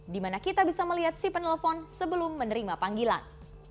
di mana kita bisa melihat si penelepon sebelum menerima panggilan